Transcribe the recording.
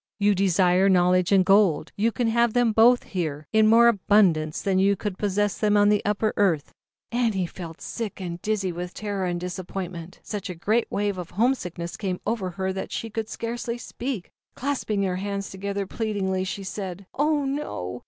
1 I' "You desire Knowledge and Gold; you can have them both here, in more abundance than you could possess them on the Upper Earth.' A A IHI 11 Annie felt sick and dizzy with terror and disappointment. Such a great wave of homesickness came over her that she could scarcely speak. \jjjll Clasping her hands together plead ingly, she said: "Oh, no!